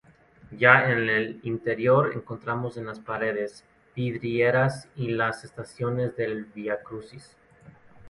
Ya en el interior encontramos en las paredes vidrieras y las estaciones del Viacrucis.